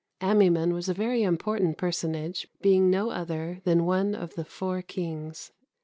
Amaimon was a very important personage, being no other than one of the four kings.